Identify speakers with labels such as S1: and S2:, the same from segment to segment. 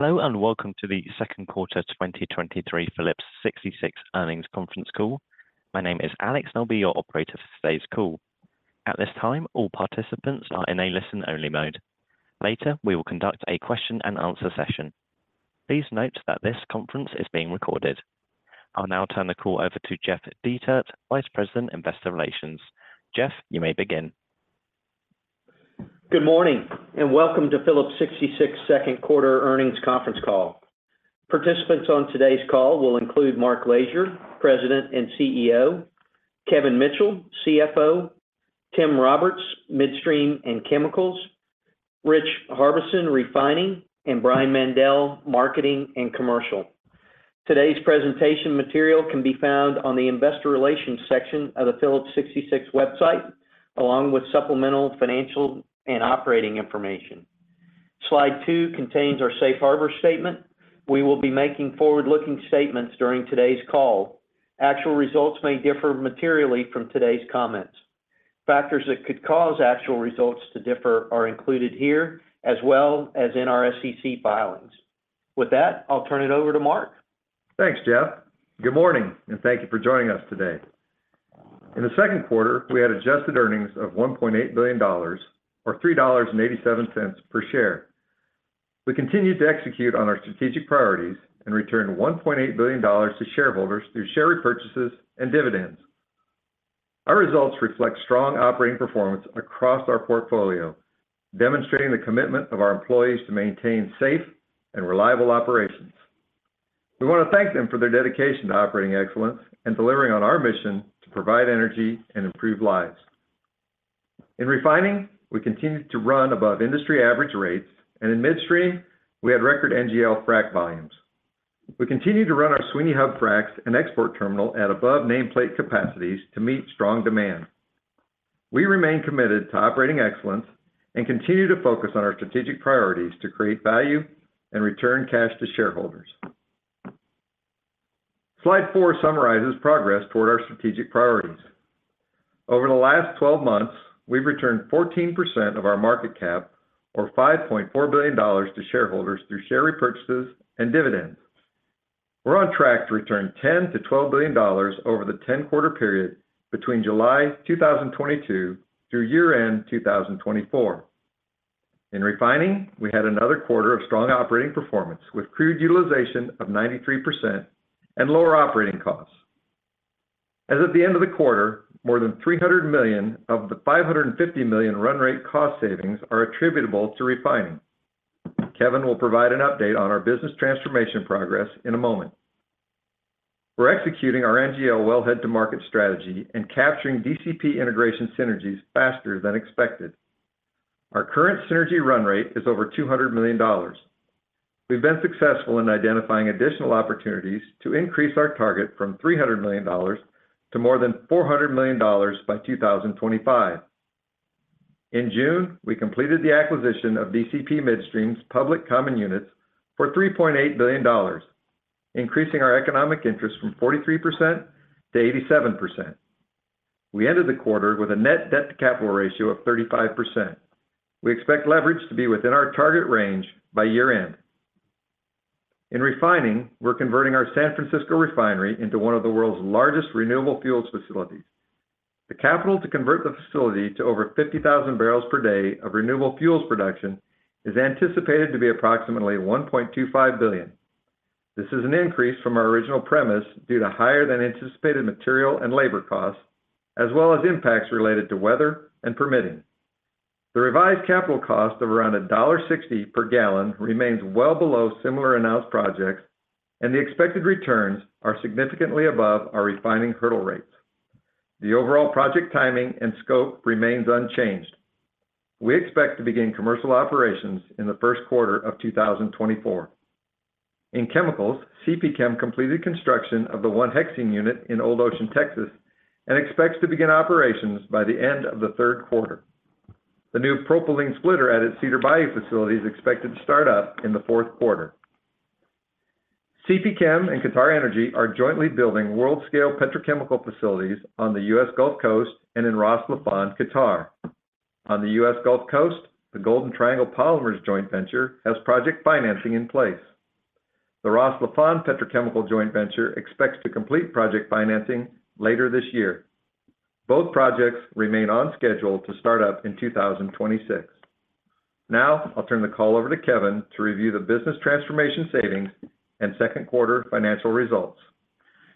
S1: Hello, welcome to the Q2 2023 Phillips 66 Earnings Conference Call. My name is Alex, and I'll be your operator for today's call. At this time, all participants are in a listen-only mode. Later, we will conduct a Q&A session. Please note that this conference is being recorded. I'll now turn the call over to Jeff Dietert, Vice President, Investor Relations. Jeff, you may begin.
S2: Good morning, and welcome to Phillips 66 Q2 earnings conference call. Participants on today's call will include Mark Lashier, President and CEO; Kevin Mitchell, CFO; Tim Roberts, Midstream and Chemicals; Rich Harbison, Refining; and Brian Mandell, Marketing and Commercial. Today's presentation material can be found on the investor relations section of the Phillips 66 website, along with supplemental, financial, and operating information. Slide 2 contains our safe harbor statement. We will be making forward-looking statements during today's call. Actual results may differ materially from today's comments. Factors that could cause actual results to differ are included here, as well as in our SEC filings. With that, I'll turn it over to Mark.
S3: Thanks, Jeff. Good morning. Thank you for joining us today. In the Q2, we had adjusted earnings of $1.8 billion or $3.87 per share. We continued to execute on our strategic priorities and returned $1.8 billion to shareholders through share repurchases and dividends. Our results reflect strong operating performance across our portfolio, demonstrating the commitment of our employees to maintain safe and reliable operations. We wanna thank them for their dedication to operating excellence and delivering on our mission to provide energy and improve lives. In refining, we continued to run above industry average rates. In midstream, we had record NGL frac volumes. We continued to run our Sweeney Hub fracs and export terminal at above nameplate capacities to meet strong demand. We remain committed to operating excellence and continue to focus on our strategic priorities to create value and return cash to shareholders. Slide 4 summarizes progress toward our strategic priorities. Over the last 12 months, we've returned 14% of our market cap, or $5.4 billion to shareholders through share repurchases and dividends. We're on track to return $10 billion-$12 billion over the 10-quarter period between July 2022 through year-end 2024. In refining, we had another quarter of strong operating performance, with crude utilization of 93% and lower operating costs. As at the end of the quarter, more than $300 million of the $550 million run rate cost savings are attributable to refining. Kevin will provide an update on our business transformation progress in a moment. We're executing our NGL wellhead to market strategy and capturing DCP integration synergies faster than expected. Our current synergy run rate is over $200 million. We've been successful in identifying additional opportunities to increase our target from $300 million to more than $400 million by 2025. In June, we completed the acquisition of DCP Midstream's public common units for $3.8 billion, increasing our economic interest from 43% to 87%. We ended the quarter with a net debt to capital ratio of 35%. We expect leverage to be within our target range by year-end. In refining, we're converting our San Francisco refinery into one of the world's largest renewable fuels facilities. The capital to convert the facility to over 50,000 barrels per day of renewable fuels production is anticipated to be approximately $1.25 billion. This is an increase from our original premise due to higher than anticipated material and labor costs, as well as impacts related to weather and permitting. The revised capital cost of around $1.60 per gallon remains well below similar announced projects, and the expected returns are significantly above our refining hurdle rates. The overall project timing and scope remains unchanged. We expect to begin commercial operations in the Q1 of 2024. In chemicals, CPChem completed construction of the 1-hexene unit in Old Ocean, Texas, and expects to begin operations by the end of the Q3. The new propylene splitter at its Cedar Bayou facility is expected to start up in the Q4. CPChem and QatarEnergy are jointly building world-scale petrochemical facilities on the US Gulf Coast and in Ras Laffan, Qatar. On the US Gulf Coast, the Golden Triangle Polymers joint venture has project financing in place. The Ras Laffan petrochemical joint venture expects to complete project financing later this year. Both projects remain on schedule to start up in 2026. I'll turn the call over to Kevin to review the business transformation savings and Q2 financial results.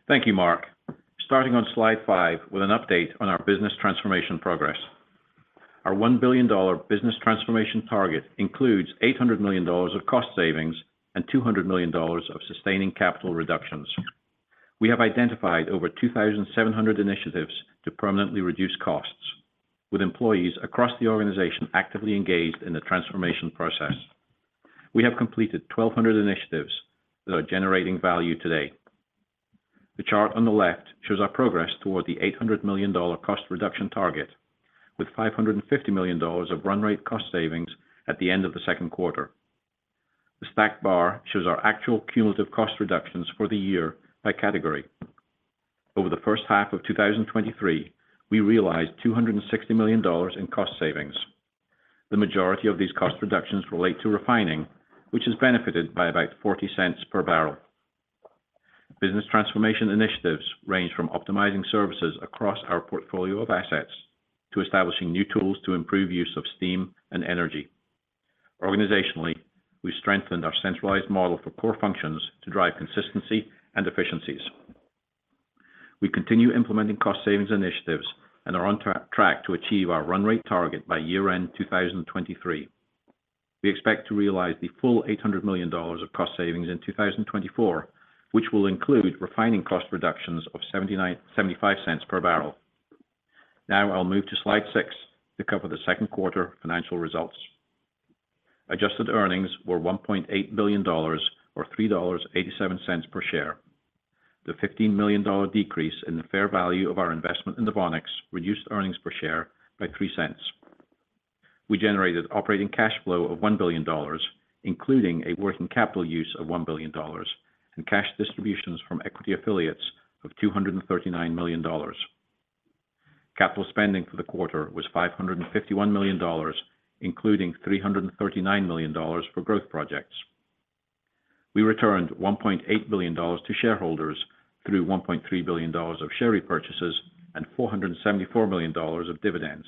S4: Thank you, Mark. Starting on slide 5 with an update on our business transformation progress. Our $1 billion business transformation target includes $800 million of cost savings and $200 million of sustaining capital reductions. We have identified over 2,700 initiatives to permanently reduce costs, with employees across the organization actively engaged in the transformation process. We have completed 1,200 initiatives that are generating value today. The chart on the left shows our progress toward the $800 million cost reduction target, with $550 million of run rate cost savings at the end of the Q2. The stacked bar shows our actual cumulative cost reductions for the year by category. Over the first half of 2023, we realized $260 million in cost savings. The majority of these cost reductions relate to refining, which has benefited by about $0.40 per barrel. Business transformation initiatives range from optimizing services across our portfolio of assets, to establishing new tools to improve use of steam and energy. Organizationally, we've strengthened our centralized model for core functions to drive consistency and efficiencies. We continue implementing cost savings initiatives and are on track to achieve our run rate target by year-end 2023. We expect to realize the full $800 million of cost savings in 2024, which will include refining cost reductions of $0.75 per barrel. I'll move to slide 6 to cover the Q2 financial results. Adjusted earnings were $1.8 billion or $3.87 per share. The $15 million decrease in the fair value of our investment in NOVONIX reduced earnings per share by $0.03. We generated operating cash flow of $1 billion, including a working capital use of $1 billion, and cash distributions from equity affiliates of $239 million. Capital spending for the quarter was $551 million, including $339 million for growth projects. We returned $1.8 billion to shareholders through $1.3 billion of share repurchases and $474 million of dividends.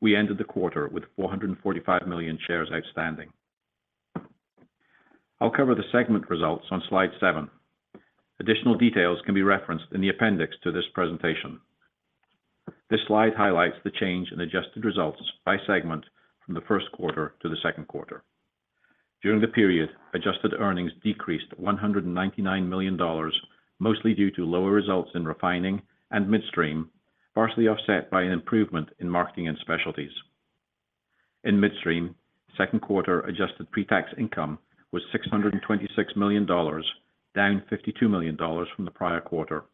S4: We ended the quarter with 445 million shares outstanding. I'll cover the segment results on slide 7. Additional details can be referenced in the appendix to this presentation. This slide highlights the change in adjusted results by segment from the Q1 to the Q2. During the period, adjusted earnings decreased $199 million, mostly due to lower results in refining and midstream, partially offset by an improvement in marketing and specialties. In midstream, Q2 adjusted pre-tax income was $626 million, down $52 million from the prior quarter.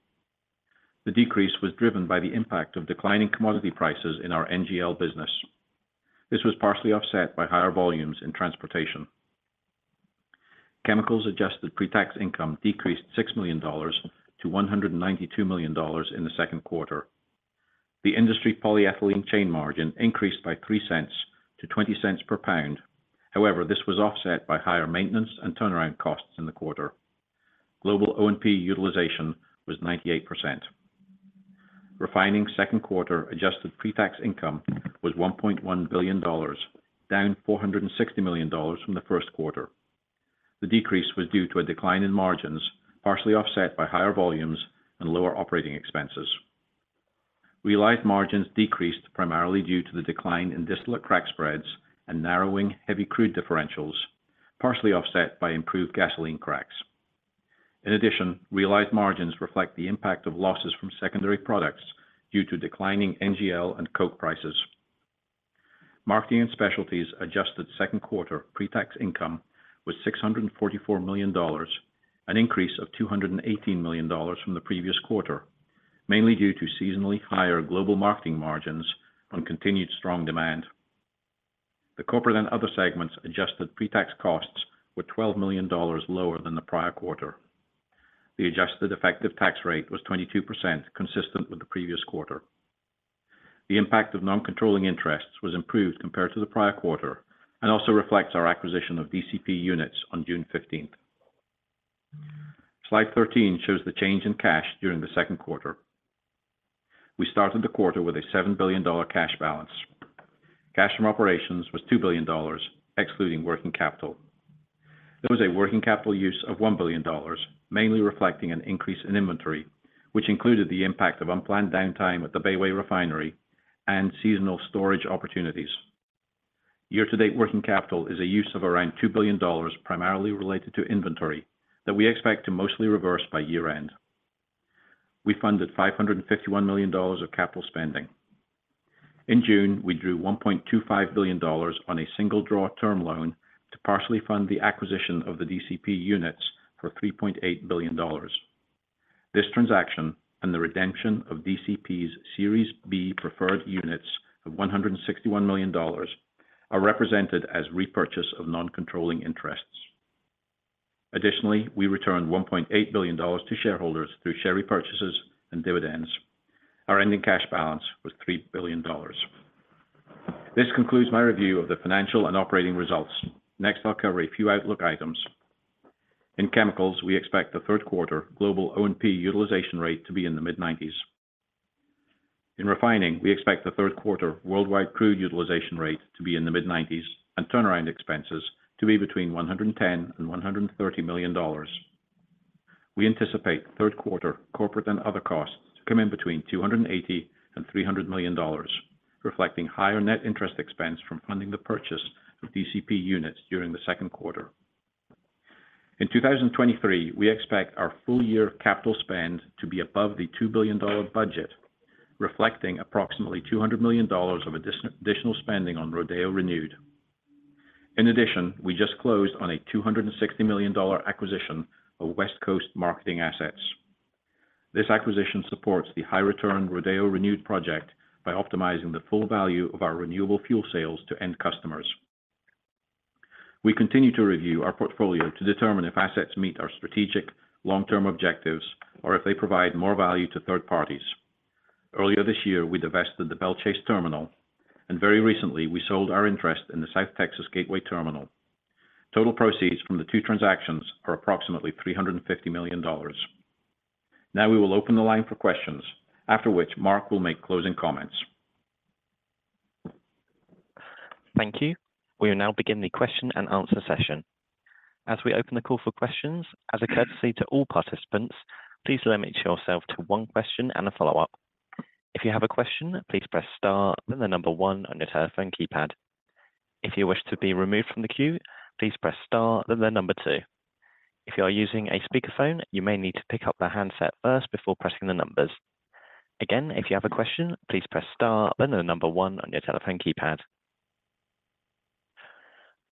S4: The decrease was driven by the impact of declining commodity prices in our NGL business. This was partially offset by higher volumes in transportation. Chemicals adjusted pre-tax income decreased $6 million to $192 million in the Q2. The industry polyethylene chain margin increased by $0.03 to $0.20 per pound. However, this was offset by higher maintenance and turnaround costs in the quarter. Global O&P utilization was 98%. Refining Q2 adjusted pre-tax income was $1.1 billion, down $460 million from the Q1. The decrease was due to a decline in margins, partially offset by higher volumes and lower operating expenses. Realized margins decreased primarily due to the decline in distillate crack spreads and narrowing heavy crude differentials, partially offset by improved gasoline cracks. In addition, realized margins reflect the impact of losses from secondary products due to declining NGL and coke prices. Marketing and Specialties adjusted Q2 pre-tax income was $644 million, an increase of $218 million from the previous quarter, mainly due to seasonally higher global marketing margins on continued strong demand. The corporate and other segments adjusted pre-tax costs were $12 million lower than the prior quarter. The adjusted effective tax rate was 22%, consistent with the previous quarter. The impact of non-controlling interests was improved compared to the prior quarter and also reflects our acquisition of DCP units on June 15th. Slide 13 shows the change in cash during the Q2. We started the quarter with a $7 billion cash balance. Cash from operations was $2 billion, excluding working capital. There was a working capital use of $1 billion, mainly reflecting an increase in inventory, which included the impact of unplanned downtime at the Bayway Refinery and seasonal storage opportunities. Year-to-date working capital is a use of around $2 billion, primarily related to inventory, that we expect to mostly reverse by year-end. We funded $551 million of capital spending. In June, we drew $1.25 billion on a single draw term loan to partially fund the acquisition of the DCP units for $3.8 billion. This transaction and the redemption of DCP's Series B Preferred Units of $161 million, are represented as repurchase of non-controlling interests. Additionally, we returned $1.8 billion to shareholders through share repurchases and dividends. Our ending cash balance was $3 billion. This concludes my review of the financial and operating results. Next, I'll cover a few outlook items. In Chemicals, we expect the Q3 global O&P utilization rate to be in the mid-nineties. In Refining, we expect the Q3 worldwide crude utilization rate to be in the mid-nineties and turnaround expenses to be between $110 million and $130 million. We anticipate Q3 corporate and other costs to come in between $280 million and $300 million, reflecting higher net interest expense from funding the purchase of DCP units during the Q2. In 2023, we expect our full year capital spend to be above the $2 billion budget, reflecting approximately $200 million of additional spending on Rodeo Renewed. In addition, we just closed on a $260 million acquisition of West Coast marketing assets. This acquisition supports the high return Rodeo Renewed project by optimizing the full value of our renewable fuel sales to end customers. We continue to review our portfolio to determine if assets meet our strategic long-term objectives or if they provide more value to third parties. Earlier this year, we divested the Belle Chasse terminal. Very recently, we sold our interest in the South Texas Gateway Terminal. Total proceeds from the 2 transactions are approximately $350 million. We will open the line for questions, after which Mark will make closing comments.
S1: Thank you. We will now begin the Q&A session. As we open the call for questions, as a courtesy to all participants, please limit yourself to 1 question and a follow-up. If you have a question, please press star, then the number 1 on your telephone keypad. If you wish to be removed from the queue, please press star, then the number 2. If you are using a speakerphone, you may need to pick up the handset first before pressing the numbers. Again, if you have a question, please press star, then the number 1 on your telephone keypad.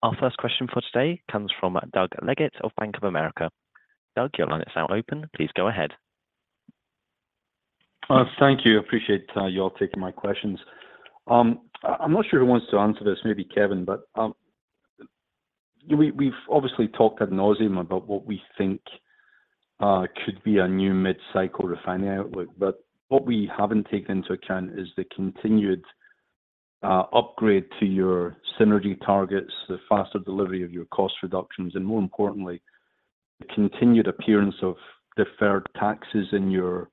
S1: Our first question for today comes from Doug Leggate of Bank of America. Doug, your line is now open. Please go ahead.
S5: Thank you. Appreciate you all taking my questions. I- I'm not sure who wants to answer this, maybe Kevin, but we've obviously talked ad nauseam about what we think could be a new mid-cycle refinery outlook, but what we haven't taken into account is the continued upgrade to your synergy targets, the faster delivery of your cost reductions, and more importantly, the continued appearance of deferred taxes in your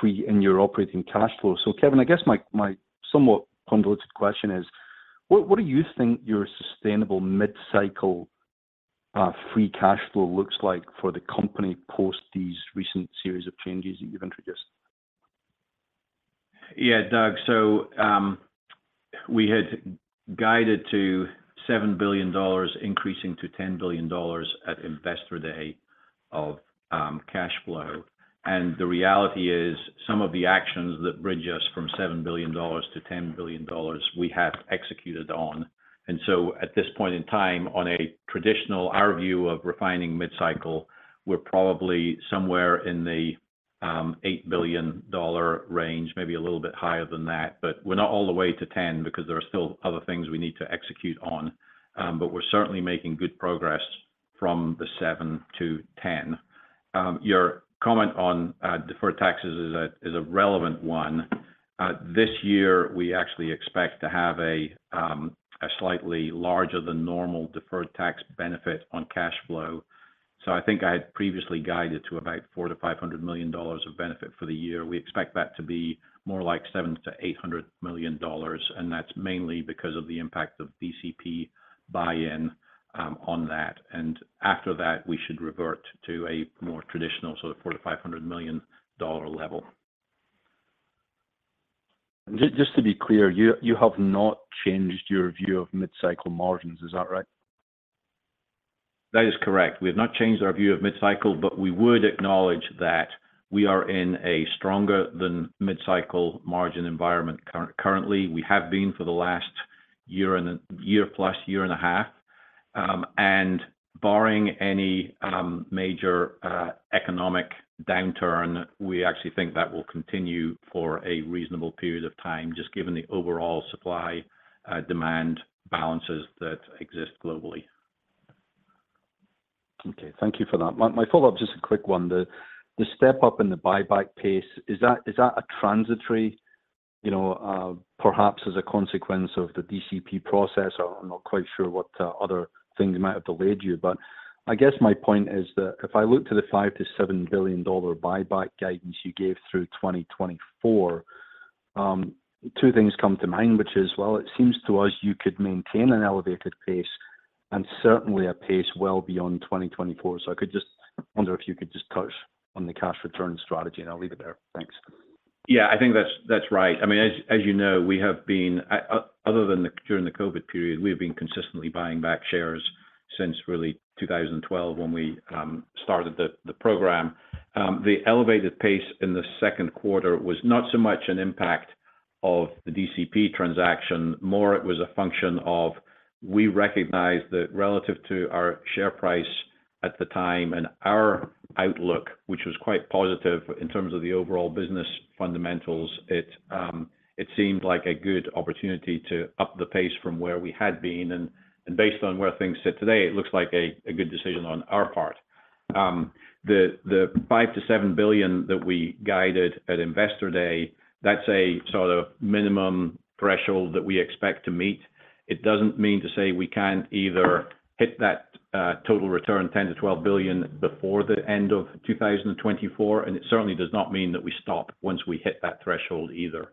S5: free-- in your operating cash flow. Kevin, I guess my, my somewhat convoluted question is: what, what do you think your sustainable mid-cycle free cash flow looks like for the company post these recent series of changes that you've introduced?
S4: Yeah, Doug, so, we had guided to $7 billion, increasing to $10 billion at Investor Day of cash flow. The reality is, some of the actions that bridge us from $7 billion to $10 billion, we have executed on. So at this point in time, on a traditional, our view of refining mid-cycle, we're probably somewhere in the $8 billion range, maybe a little bit higher than that, but we're not all the way to $10 because there are still other things we need to execute on. We're certainly making good progress from the $7 billion to $10 billion. Your comment on deferred taxes is a relevant one. This year, we actually expect to have a slightly larger than normal deferred tax benefit on cash flow. I think I had previously guided to about $400 million-$500 million of benefit for the year. We expect that to be more like $700 million-$800 million, that's mainly because of the impact of DCP buy-in on that. After that, we should revert to a more traditional, so the $400 million-$500 million level.
S5: Just to be clear, you, you have not changed your view of mid-cycle margins. Is that right?
S4: That is correct. We have not changed our view of mid-cycle, but we would acknowledge that we are in a stronger than mid-cycle margin environment currently. We have been for the last year plus, year and a half. Barring any major economic downturn, we actually think that will continue for a reasonable period of time, just given the overall supply demand balances that exist globally.
S5: Okay. Thank you for that. My, my follow-up, just a quick one. The, the step up in the buyback pace, is that, is that a transitory, you know, perhaps as a consequence of the DCP process? I'm not quite sure what other things might have delayed you, but I guess my point is that if I look to the $5 billion-$7 billion buyback guidance you gave through 2024, two things come to mind, which is, well, it seems to us you could maintain an elevated pace and certainly a pace well beyond 2024. I could just wonder if you could just touch on the cash return strategy, and I'll leave it there. Thanks.
S4: Yeah, I think that's, that's right. I mean, as, as you know, we have been, other than during the COVID period, we have been consistently buying back shares since really 2012, when we started the program. The elevated pace in the Q2 was not so much an impact of the DCP transaction, more it was a function of we recognized that relative to our share price at the time and our outlook, which was quite positive in terms of the overall business fundamentals, it seemed like a good opportunity to up the pace from where we had been. Based on where things sit today, it looks like a good decision on our part. The $5 billion-$7 billion that we guided at Investor Day, that's a sort of minimum threshold that we expect to meet. It doesn't mean to say we can't either hit that total return, $10 billion-$12 billion, before the end of 2024, and it certainly does not mean that we stop once we hit that threshold either.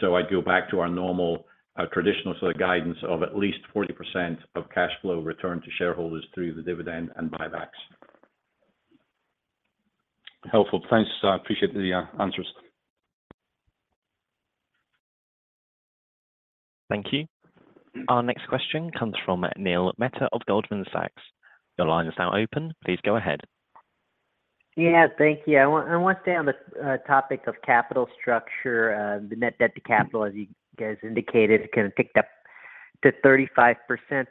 S4: So I'd go back to our normal traditional sort of guidance of at least 40% of cash flow returned to shareholders through the dividend and buybacks.
S5: Helpful. Thanks. I appreciate the answers.
S1: Thank you. Our next question comes from Neil Mehta of Goldman Sachs. Your line is now open. Please go ahead.
S6: Yeah, thank you. I want to stay on the topic of capital structure, the net debt to capital, as you guys indicated, kind of ticked up to 35%,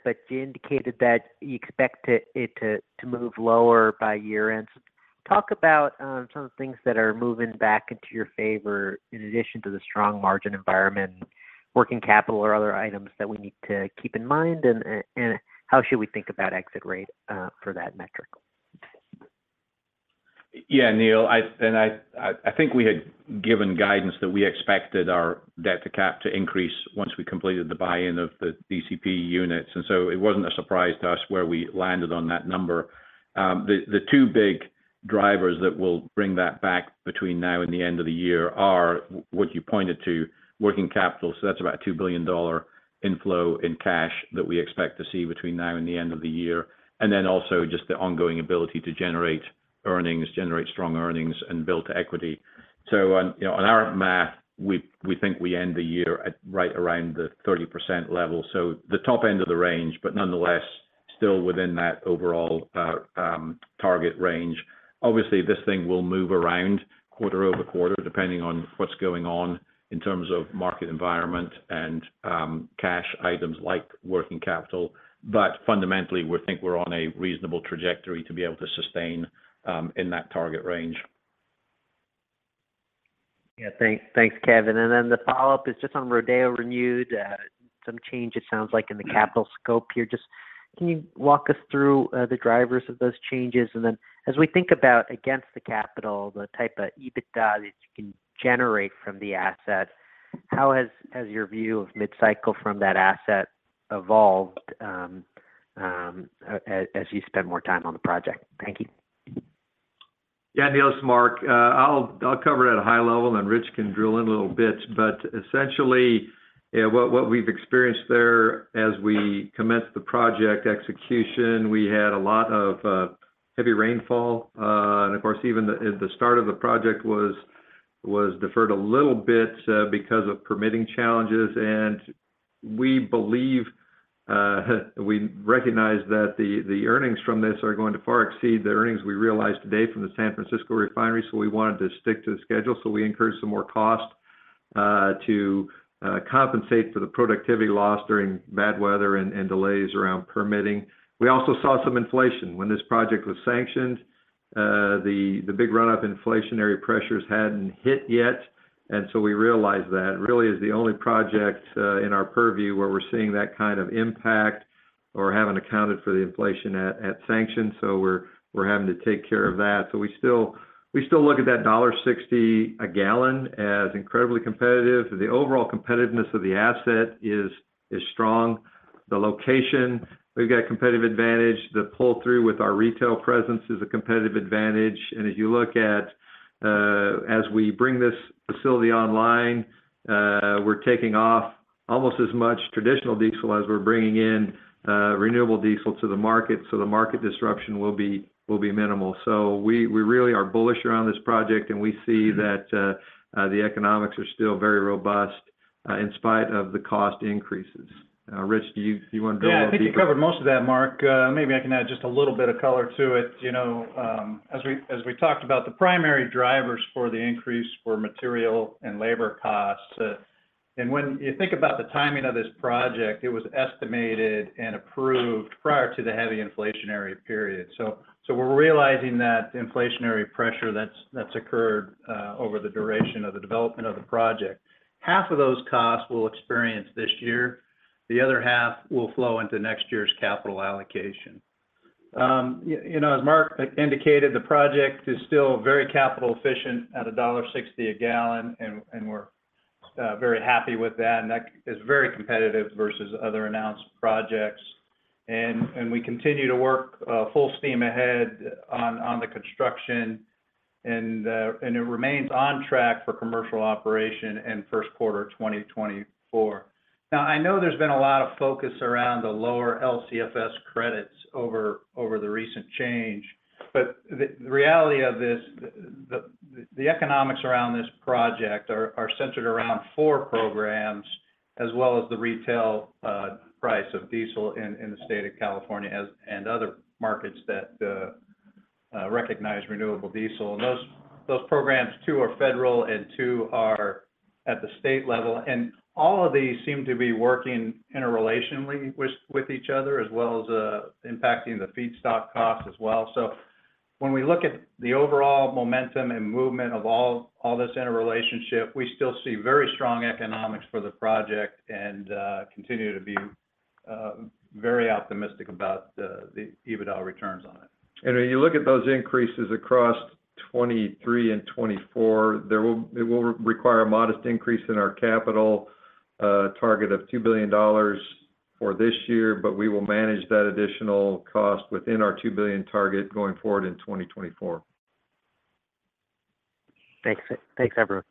S6: but you indicated that you expect it to move lower by year-end. Talk about some of the things that are moving back into your favor, in addition to the strong margin environment, working capital or other items that we need to keep in mind, and how should we think about exit rate for that metric?
S4: Neil, I think we had given guidance that we expected our debt to cap to increase once we completed the buy-in of the DCP units, and so it wasn't a surprise to us where we landed on that number. The two big drivers that will bring that back between now and the end of the year are what you pointed to, working capital, so that's about a $2 billion inflow in cash that we expect to see between now and the end of the year, and then also just the ongoing ability to generate earnings, generate strong earnings, and build to equity. On, you know, on our math, we, we think we end the year at right around the 30% level. The top end of the range, but nonetheless, still within that overall target range. Obviously, this thing will move around quarter-over-quarter, depending on what's going on in terms of market environment and cash items like working capital. Fundamentally, we think we're on a reasonable trajectory to be able to sustain in that target range.
S6: Yeah. Thanks, thanks, Kevin. Then the follow-up is just on Rodeo Renewed. Some changes, sounds like, in the capital scope here. Just can you walk us through the drivers of those changes? Then as we think about against the capital, the type of EBITDA that you can generate from the asset, how has, has your view of mid-cycle from that asset evolved as you spend more time on the project? Thank you.
S3: Yeah, Neil, it's Mark. I'll, I'll cover it at a high level, and then Rich can drill in a little bit. Essentially, what, what we've experienced there as we commenced the project execution, we had a lot of heavy rainfall. Of course, even the, the start of the project was, was deferred a little bit, because of permitting challenges. We believe, we recognize that the, the earnings from this are going to far exceed the earnings we realize today from the San Francisco Refinery, so we wanted to stick to the schedule. We incurred some more cost, to compensate for the productivity loss during bad weather and, and delays around permitting. We also saw some inflation. When this project was sanctioned, the, the big run-up inflationary pressures hadn't hit yet, and so we realized that. Really is the only project, in our purview, where we're seeing that kind of impact or haven't accounted for the inflation at, at sanction, so we're, we're having to take care of that. We still, we still look at that $1.60 a gallon as incredibly competitive. The overall competitiveness of the asset is, is strong. The location, we've got competitive advantage. The pull-through with our retail presence is a competitive advantage. As you look at, as we bring this facility online, we're taking off almost as much traditional diesel as we're bringing in, renewable diesel to the market, so the market disruption will be, will be minimal. We, we really are bullish around this project, and we see that, the economics are still very robust, in spite of the cost increases. Rich, do you, do you want to drill a little deeper?
S7: Yeah, I think you covered most of that, Mark. Maybe I can add just a little bit of color to it. You know, as we, as we talked about, the primary drivers for the increase were material and labor costs. When you think about the timing of this project, it was estimated and approved prior to the heavy inflationary period. We're realizing that the inflationary pressure that's, that's occurred over the duration of the development of the project. Half of those costs we'll experience this year, the other half will flow into next year's capital allocation. You know, as Mark indicated, the project is still very capital efficient at $1.60 a gallon, and we're very happy with that, and that is very competitive versus other announced projects. We continue to work, full steam ahead on the construction, and it remains on track for commercial operation in Q1 of 2024. I know there's been a lot of focus around the lower LCFS credits over, over the recent change, but the, the reality of this, the, the, the economics around this project are, are centered around 4 programs, as well as the retail, price of diesel in, in the state of California, and other markets that, recognize renewable diesel. Those, those programs, 2 are federal and 2 are at the state level, and all of these seem to be working interrelationally with, with each other, as well as, impacting the feedstock costs as well. When we look at the overall momentum and movement of all, all this interrelationship, we still see very strong economics for the project and continue to be very optimistic about the EBITDA returns on it.
S3: When you look at those increases across 2023 and 2024, it will re-require a modest increase in our capital, target of $2 billion for this year, but we will manage that additional cost within our $2 billion target going forward in 2024.
S6: Thanks. Thanks, everyone.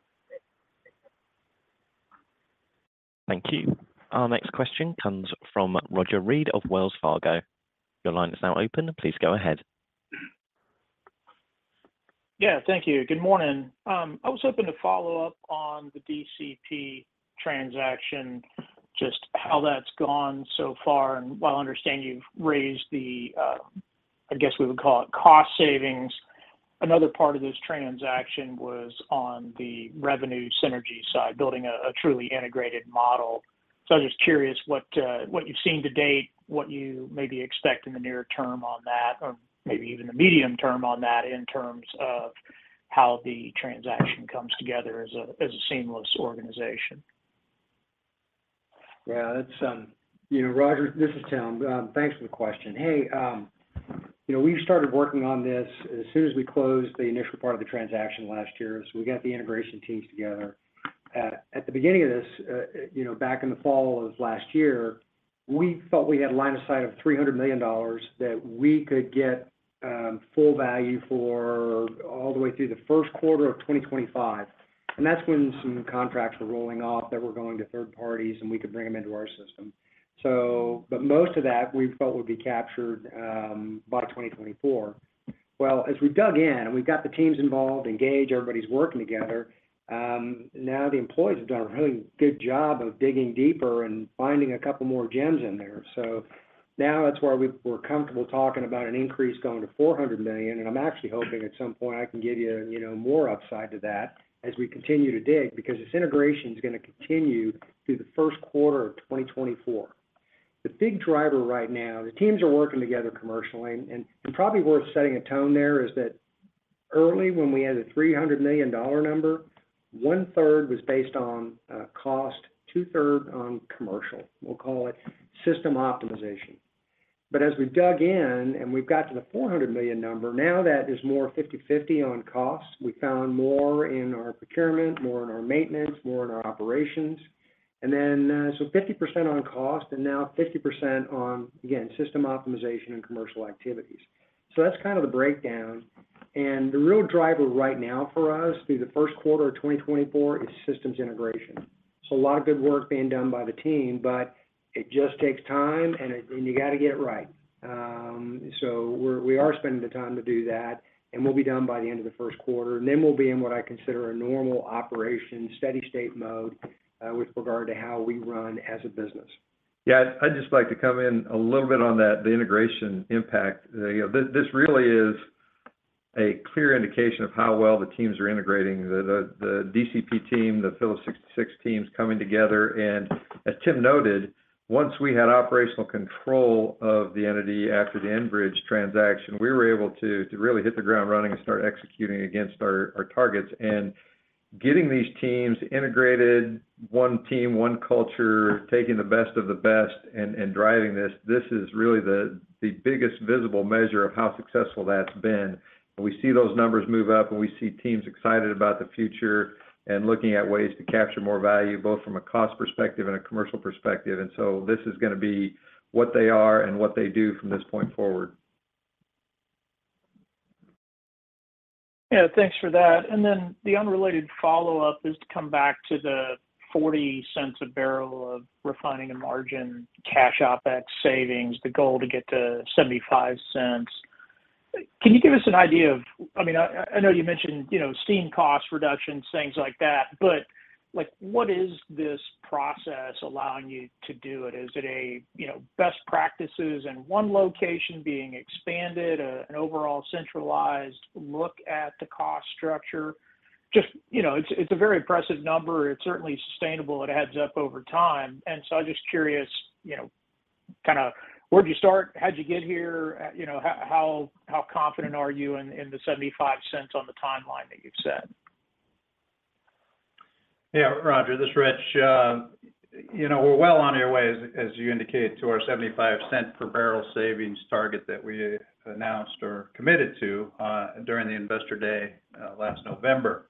S1: Thank you. Our next question comes from Roger Read of Wells Fargo. Your line is now open. Please go ahead.
S8: Yeah, thank thank you. Good morning. I was hoping to follow up on the DCP transaction, just how that's gone so far. While I understand you've raised the, I guess, we would call it cost savings, another part of this transaction was on the revenue synergy side, building a, a truly integrated model.... I'm just curious what you've seen to date, what you maybe expect in the near term on that, or maybe even the medium term on that, in terms of how the transaction comes together as a, as a seamless organization?
S9: Yeah, that's, you know, Roger, this is Tim. Thanks for the question. Hey, you know, we started working on this as soon as we closed the initial part of the transaction last year, so we got the integration teams together. At the beginning of this, you know, back in the fall of last year, we thought we had line of sight of $300 million that we could get, full value for all the way through the Q1 of 2025. That's when some contracts were rolling off that were going to third parties, and we could bring them into our system. But most of that we felt would be captured, by 2024. As we dug in, and we got the teams involved, engaged, everybody's working together, now the employees have done a really good job of digging deeper and finding a couple more gems in there. Now that's why we're comfortable talking about an increase going to $400 million, and I'm actually hoping at some point I can give you, you know, more upside to that as we continue to dig, because this integration is gonna continue through the Q1 of 2024. The big driver right now, the teams are working together commercially, and probably worth setting a tone there is that early when we had a $300 million number, one-third was based on cost, two-thirds on commercial. We'll call it system optimization. As we dug in and we've got to the $400 million number, now that is more 50/50 on cost. We found more in our procurement, more in our maintenance, more in our operations. Then 50% on cost and now 50% on, again, system optimization and commercial activities. That's kind of the breakdown. The real driver right now for us through the Q1 of 2024 is systems integration. A lot of good work being done by the team, but it just takes time, and you got to get it right. We are spending the time to do that, and we'll be done by the end of the Q1, and then we'll be in what I consider a normal operation, steady state mode, with regard to how we run as a business.
S3: Yeah, I'd just like to come in a little bit on that, the integration impact. You know, this, this really is a clear indication of how well the teams are integrating. The DCP team, the Phillips 66 teams coming together. As Tim noted, once we had operational control of the entity after the Enbridge transaction, we were able to really hit the ground running and start executing against our targets. Getting these teams integrated, one team, one culture, taking the best of the best and driving this, this is really the biggest visible measure of how successful that's been. We see those numbers move up, and we see teams excited about the future and looking at ways to capture more value, both from a cost perspective and a commercial perspective. So this is gonna be what they are and what they do from this point forward.
S8: Yeah, thanks for that. Then the unrelated follow-up is to come back to the $0.40 a barrel of refining the margin, cash OpEx savings, the goal to get to $0.75. Can you give us an idea of-- I mean, I, I know you mentioned, you know, seeing cost reductions, things like that, but, like, what is this process allowing you to do? Is it a, you know, best practices in one location being expanded, an overall centralized look at the cost structure? Just, you know, it's, it's a very impressive number. It's certainly sustainable. It adds up over time. So I'm just curious, you know, kind of where'd you start? How'd you get here? You know, how, how, how confident are you in, in the $0.75 on the timeline that you've set?
S7: Yeah, Roger, this is Rich. You know, we're well on our way, as, as you indicated, to our $0.75 per barrel savings target that we announced or committed to, during the Investor Day, last November.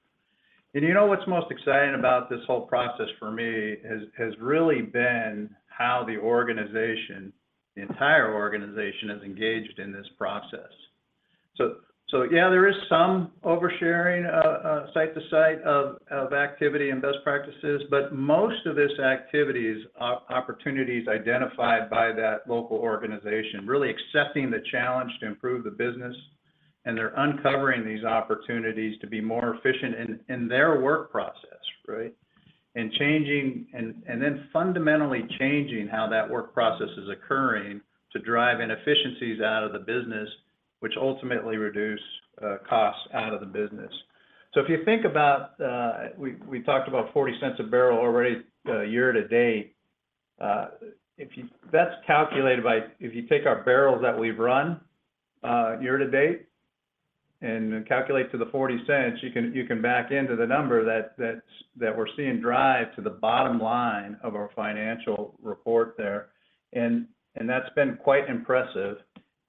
S7: You know what's most exciting about this whole process for me has, has really been how the organization, the entire organization, is engaged in this process. So yeah, there is some oversharing, site to site of, of activity and best practices, but most of this activity is opportunities identified by that local organization, really accepting the challenge to improve the business, and they're uncovering these opportunities to be more efficient in, in their work process, right? And, and then fundamentally changing how that work process is occurring to drive inefficiencies out of the business, which ultimately reduce, costs out of the business. If you think about, we, we talked about $0.40 a barrel already, year to date. That's calculated by... If you take our barrels that we've run, year to date and then calculate to the $0.40, you can, you can back into the number that, that, that we're seeing drive to the bottom line of our financial report there. That's been quite impressive.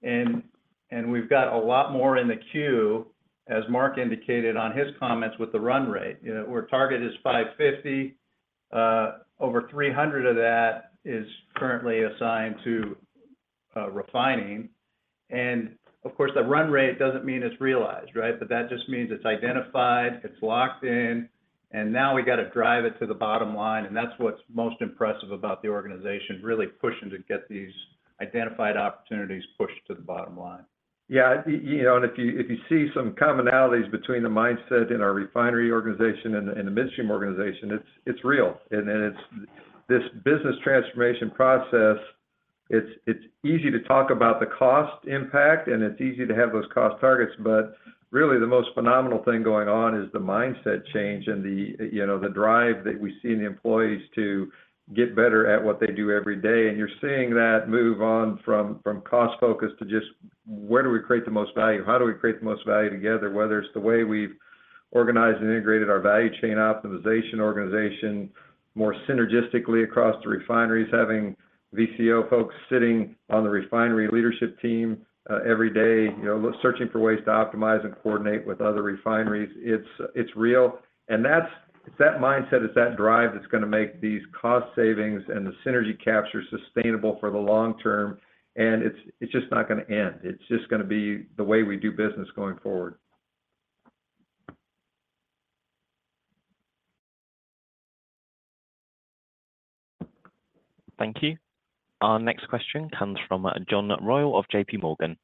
S7: We've got a lot more in the queue, as Mark indicated on his comments with the run rate. You know, our target is $550 million. Over $300 million of that is currently assigned to refining. Of course, the run rate doesn't mean it's realized, right? That just means it's identified, it's locked in, and now we got to drive it to the bottom line, and that's what's most impressive about the organization, really pushing to get these identified opportunities pushed to the bottom line.
S3: Yeah, you know, and if you, if you see some commonalities between the mindset in our refinery organization and the, and the midstream organization, it's, it's real. It's this business transformation process-
S10: It's, it's easy to talk about the cost impact, and it's easy to have those cost targets, but really the most phenomenal thing going on is the mindset change and the, you know, the drive that we see in the employees to get better at what they do every day. You're seeing that move on from, from cost focus to just where do we create the most value? How do we create the most value together? Whether it's the way we've organized and integrated our value chain optimization organization more synergistically across the refineries, having VCO folks sitting on the refinery leadership team, every day, you know, searching for ways to optimize and coordinate with other refineries. It's, it's real, and that's it's that mindset, it's that drive that's gonna make these cost savings and the synergy capture sustainable for the long term. It's, it's just not gonna end. It's just gonna be the way we do business going forward.
S1: Thank you. Our next question comes from John Royall of J.P. Morgan.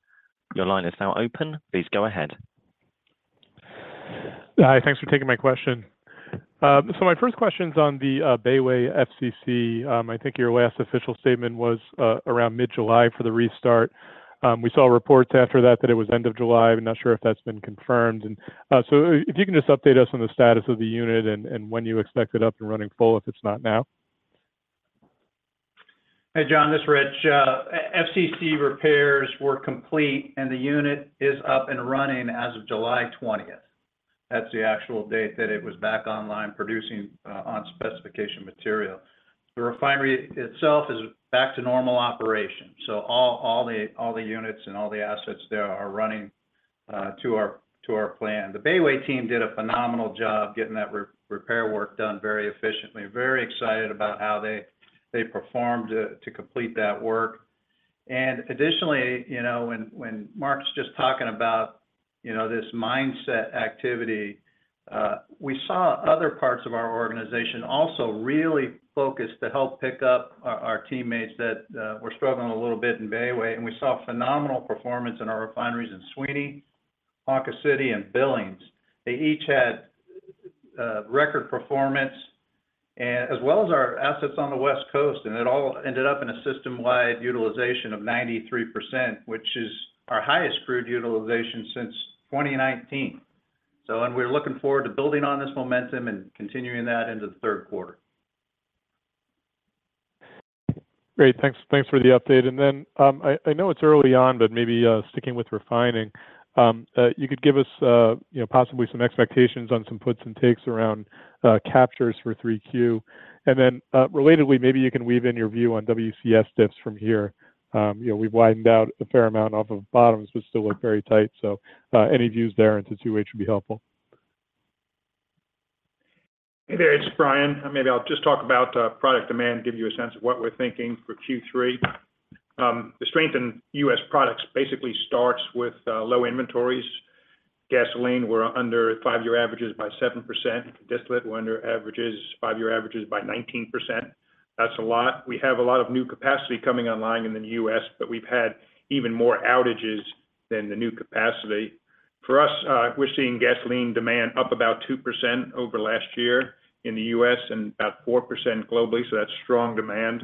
S1: Your line is now open. Please go ahead.
S11: Hi, thanks for taking my question. My first question's on the Bayway FCC. I think your last official statement was around mid-July for the restart. We saw reports after that, that it was end of July. I'm not sure if that's been confirmed. If you can just update us on the status of the unit and, and when you expect it up and running full, if it's not now?
S7: Hey, John, this is Rich. FCC repairs were complete, and the unit is up and running as of July 20th. That's the actual date that it was back online, producing on specification material. The refinery itself is back to normal operation, so all, all the, all the units and all the assets there are running to our, to our plan. The Bayway team did a phenomenal job getting that repair work done very efficiently. Very excited about how they, they performed to complete that work. Additionally, you know, when, when Mark's just talking about, you know, this mindset activity, we saw other parts of our organization also really focus to help pick up our, our teammates that were struggling a little bit in Bayway, and we saw phenomenal performance in our refineries in Sweeney, Lake Charles, and Billings. They each had record performance, as well as our assets on the West Coast, it all ended up in a system-wide utilization of 93%, which is our highest crude utilization since 2019. We're looking forward to building on this momentum and continuing that into the Q3.
S11: Great. Thanks, thanks for the update. I, I know it's early on, but maybe, sticking with refining, you could give us, you know, possibly some expectations on some puts and takes around, captures for 3Q. Relatedly, maybe you can weave in your view on WCS dips from here. you know, we've widened out a fair amount off of bottoms, but still look very tight. Any views there into 2H would be helpful.
S10: Hey there, it's Brian. Maybe I'll just talk about product demand, give you a sense of what we're thinking for Q3. The strength in U.S. products basically starts with low inventories. Gasoline, we're under five-year averages by 7%. Distillate, we're under five-year averages by 19%. That's a lot. We have a lot of new capacity coming online in the U.S. We've had even more outages than the new capacity. For us, we're seeing gasoline demand up about 2% over last year in the U.S., and about 4% globally, that's strong demand.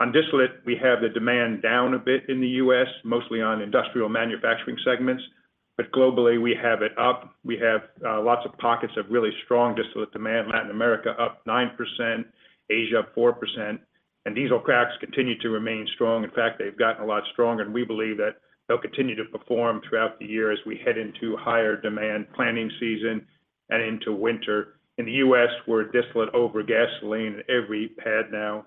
S10: On distillate, we have the demand down a bit in the U.S., mostly on industrial manufacturing segments, globally, we have it up. We have lots of pockets of really strong distillate demand. Latin America, up 9%, Asia, up 4%, and diesel cracks continue to remain strong. In fact, they've gotten a lot stronger, and we believe that they'll continue to perform throughout the year as we head into higher demand planning season and into winter. In the US, we're distillate over gasoline in every PADD now.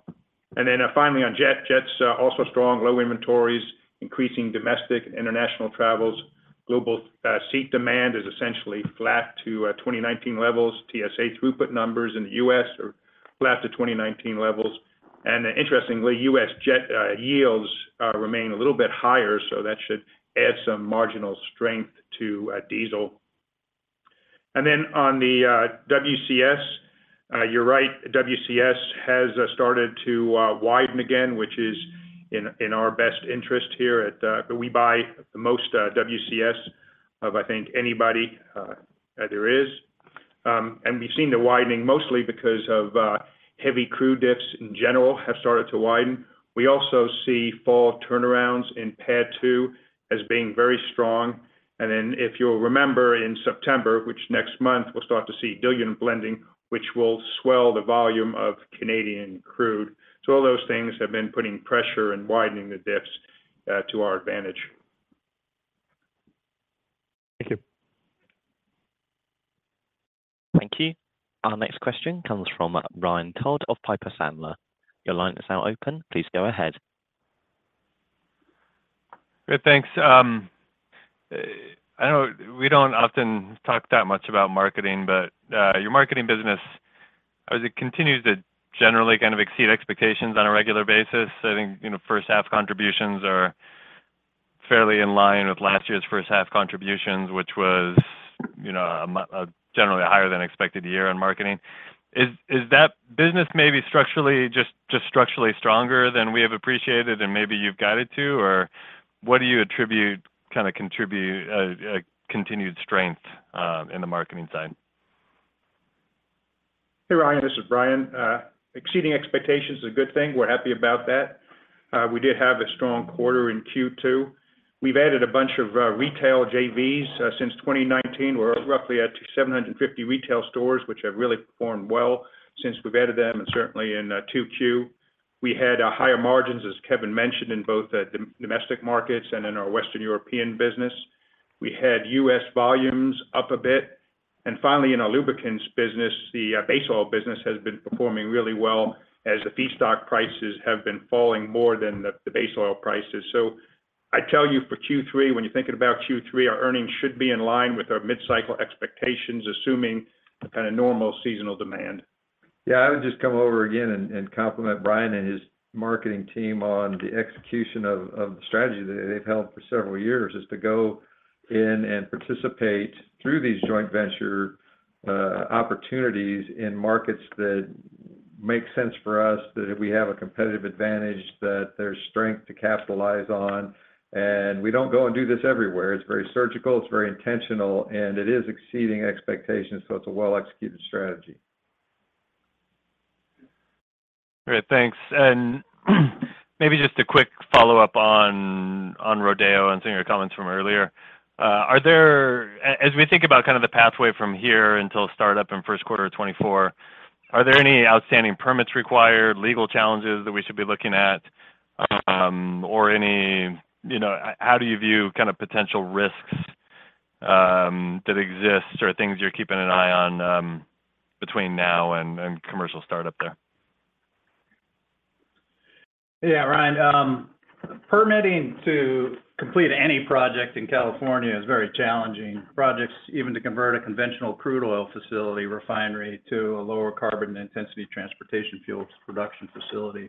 S10: Finally, on jet. Jets are also strong. Low inventories, increasing domestic, international travels. Global seat demand is essentially flat to 2019 levels. TSA throughput numbers in the US are flat to 2019 levels. Interestingly, US jet yields remain a little bit higher, so that should add some marginal strength to diesel. On the WCS, you're right, WCS has started to widen again, which is in, in our best interest here at... We buy the most WCS of, I think, anybody there is. We've seen the widening mostly because of heavy crude dips in general have started to widen. We also see fall turnarounds in PADD 2 as being very strong. And then, if you'll remember, in September, which next month, we'll start to see butane blending, which will swell the volume of Canadian crude. All those things have been putting pressure and widening the dips to our advantage.
S11: Thank you.
S1: Thank you. Our next question comes from Ryan Todd of Piper Sandler. Your line is now open. Please go ahead.
S12: Good, thanks. I know we don't often talk that much about marketing, but your marketing business, as it continues to generally kind of exceed expectations on a regular basis, I think, you know, first half contributions are fairly in line with last year's first half contributions, which was, you know, a generally higher than expected year in marketing. Is, is that business maybe structurally, just, just structurally stronger than we have appreciated and maybe you've got it to? What do you attribute, kinda contribute, continued strength in the marketing side?
S10: Hey, Ryan, this is Brian. Exceeding expectations is a good thing. We're happy about that. We did have a strong quarter in Q2. We've added a bunch of retail JVs since 2019. We're roughly at 750 retail stores, which have really performed well since we've added them, and certainly in Q2. We had higher margins, as Kevin mentioned, in both the domestic markets and in our Western European business. We had U.S. volumes up a bit. Finally, in our lubricants business, the base oil business has been performing really well as the feedstock prices have been falling more than the base oil prices. I'd tell you for Q3, when you're thinking about Q3, our earnings should be in line with our mid-cycle expectations, assuming a kind of normal seasonal demand.
S9: Yeah, I would just come over again and, and compliment Brian and his marketing team on the execution of, of the strategy that they've held for several years, is to go in and participate through these joint venture opportunities in markets that make sense for us, that if we have a competitive advantage, that there's strength to capitalize on. We don't go and do this everywhere. It's very surgical, it's very intentional, and it is exceeding expectations, so it's a well-executed strategy.
S12: Great, thanks. Maybe just a quick follow-up on, on Rodeo and seeing your comments from earlier. Are there as we think about kind of the pathway from here until startup in Q1 of 2024, are there any outstanding permits required, legal challenges that we should be looking at, or any... You know, how do you view kind of potential risks, that exist or things you're keeping an eye on, between now and commercial startup there?
S10: Yeah, Ryan. Permitting to complete any project in California is very challenging. Projects even to convert a conventional crude oil facility refinery to a lower carbon intensity transportation fuels production facility.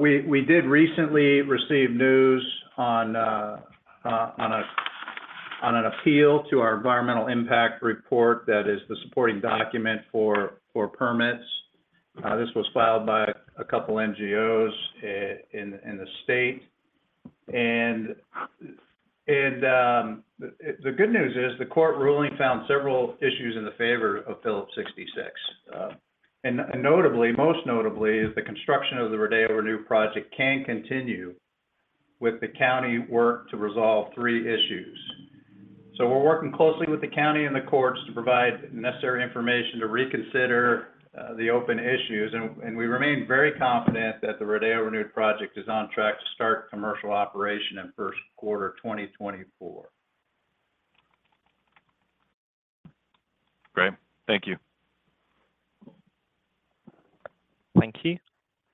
S10: We did recently receive news on an appeal to our Environmental Impact Report. That is the supporting document for permits. This was filed by a couple NGOs in the state. The good news is, the court ruling found several issues in the favor of Phillips 66. Notably, most notably, is the construction of the Rodeo Renew project can continue with the county work to resolve three issues. We're working closely with the county and the courts to provide necessary information to reconsider the open issues. We remain very confident that the Rodeo Renewed project is on track to start commercial operation in Q1 2024.
S12: Great. Thank you.
S1: Thank you.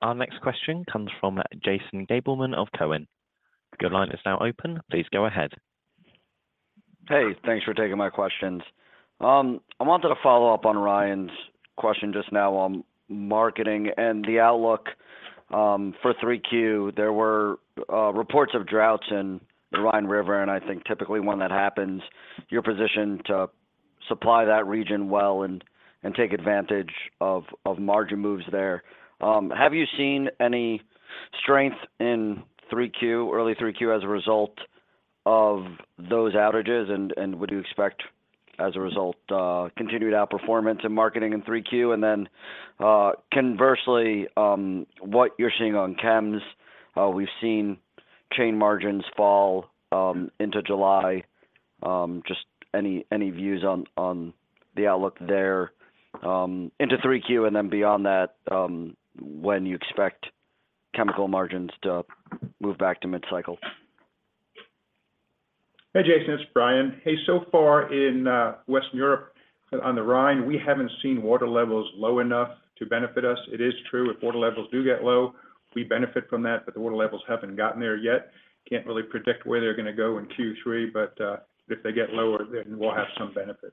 S1: Our next question comes from Jason Gabelman of Cowen. Your line is now open, please go ahead.
S13: Hey, thanks for taking my questions. I wanted to follow up on Ryan's question just now on marketing and the outlook for 3Q. There were reports of droughts in the Rhine River, I think typically when that happens, you're positioned to supply that region well and take advantage of margin moves there. Have you seen any strength in 3Q, early 3Q, as a result of those outages? Would you expect, as a result, continued outperformance in marketing in 3Q? Conversely, what you're seeing on chems? We've seen chain margins fall into July. Just any views on the outlook there into 3Q, beyond that, when you expect chemical margins to move back to mid-cycle?
S10: Hey, Jason, it's Brian. Hey, so far in West Europe on the Rhine, we haven't seen water levels low enough to benefit us. It is true, if water levels do get low, we benefit from that, but the water levels haven't gotten there yet. Can't really predict where they're gonna go in Q3, but if they get lower, then we'll have some benefit.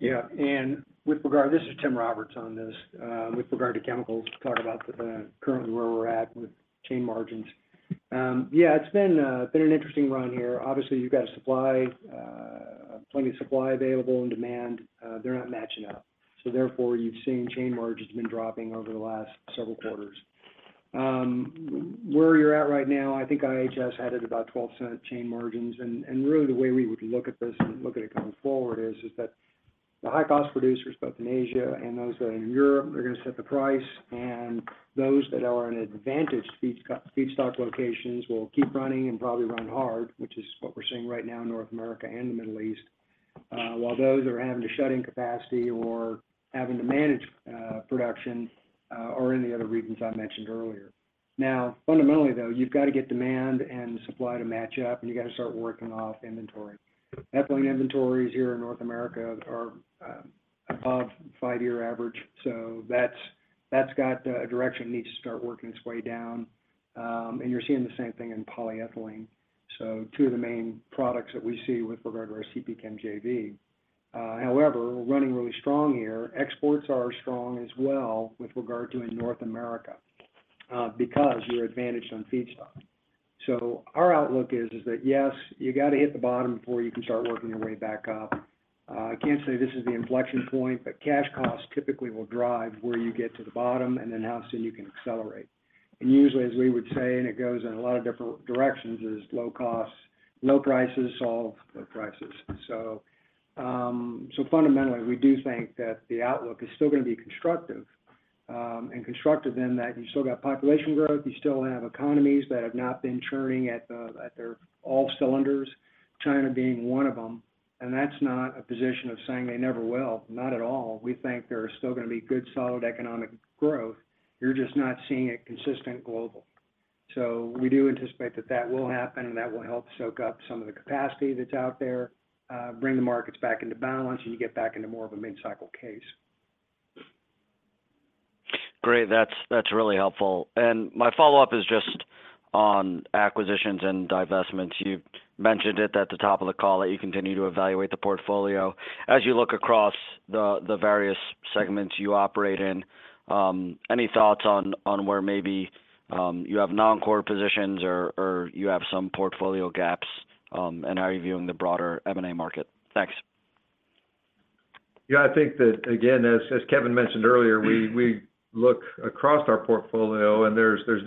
S9: Yeah, This is Tim Roberts on this. With regard to chemicals, to talk about the currently where we're at with chain margins. Yeah, it's been a, been an interesting run here. Obviously, you've got supply, plenty of supply available, and demand, they're not matching up. Therefore, you've seen chain margins been dropping over the last several quarters. Where you're at right now, I think IHS had it about $0.12 chain margins. Really, the way we would look at this and look at it going forward is, is that the high-cost producers, both in Asia and those that are in Europe, are gonna set the price, and those that are in advantage feedstock locations will keep running and probably run hard, which is what we're seeing right now in North America and the Middle East. While those are having to shut in capacity or having to manage production or any of the other reasons I mentioned earlier. Fundamentally, though, you've got to get demand and supply to match up, and you've got to start working off inventory. Ethylene inventories here in North America are above five-year average, so that's, that's got a direction it needs to start working its way down. You're seeing the same thing in polyethylene, so two of the main products that we see with regard to our CPChem JV. We're running really strong here. Exports are strong as well with regard to in North America because you're advantaged on feedstock. Our outlook is, is that, yes, you got to hit the bottom before you can start working your way back up. I can't say this is the inflection point, cash costs typically will drive where you get to the bottom and then how soon you can accelerate. Usually, as we would say, and it goes in a lot of different directions, is low costs, low prices solve low prices. Fundamentally, we do think that the outlook is still gonna be constructive, and constructive in that you still got population growth, you still have economies that have not been churning at the, at their all cylinders, China being one of them. That's not a position of saying they never will. Not at all. We think there are still gonna be good, solid economic growth. You're just not seeing it consistent global. We do anticipate that that will happen, and that will help soak up some of the capacity that's out there, bring the markets back into balance, and you get back into more of a mid-cycle case.
S13: Great. That's, that's really helpful. My follow-up is just on acquisitions and divestments. You mentioned it at the top of the call that you continue to evaluate the portfolio. As you look across the, the various segments you operate in, any thoughts on, on where maybe, you have non-core positions or, or you have some portfolio gaps, and how are you viewing the broader M&A market? Thanks.
S3: Yeah, I think that, again, as, as Kevin mentioned earlier, we, we look across our portfolio, and there's, there's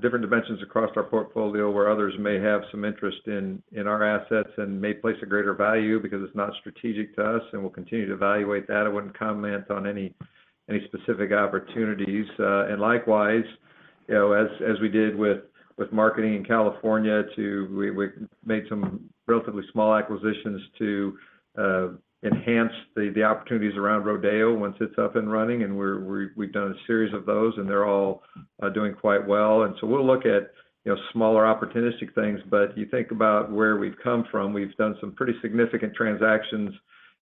S3: different, different dimensions across our portfolio where others may have some interest in, in our assets and may place a greater value because it's not strategic to us, and we'll continue to evaluate that. I wouldn't comment on any, any specific opportunities. Likewise, you know, as, as we did with, with marketing in California we, we made some relatively small acquisitions to enhance the, the opportunities around Rodeo once it's up and running, and we've done a series of those, and they're all doing quite well. We'll look at, you know, smaller opportunistic things. You think about where we've come from, we've done some pretty significant transactions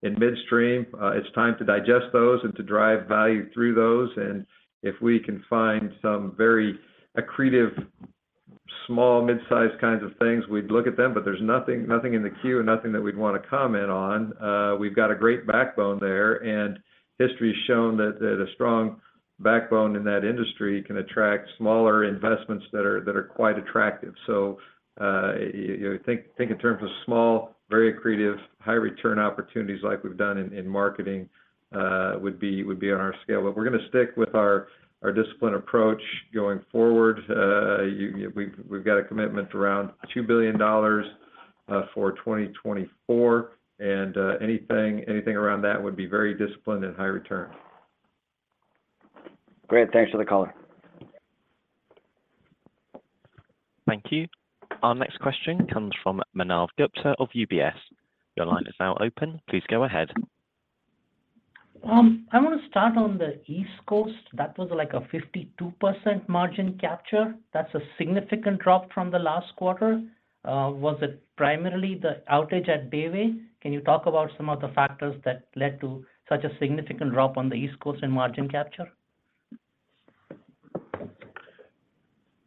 S3: in midstream. It's time to digest those and to drive value through those. If we can find some very accretive, small, mid-sized kinds of things, we'd look at them. There's nothing, nothing in the queue and nothing that we'd want to comment on. We've got a great backbone there, and history has shown that a strong backbone in that industry can attract smaller investments that are quite attractive. You think in terms of small, very accretive, high return opportunities like we've done in marketing, would be on our scale. We're gonna stick with our discipline approach going forward. We've got a commitment around $2 billion for 2024, and anything around that would be very disciplined and high return.
S13: Great. Thanks for the color.
S1: Thank you. Our next question comes from Manav Gupta of UBS. Your line is now open. Please go ahead.
S14: I want to start on the East Coast. That was, like, a 52% margin capture. That's a significant drop from the last quarter. Was it primarily the outage at Bayway? Can you talk about some of the factors that led to such a significant drop on the East Coast in margin capture?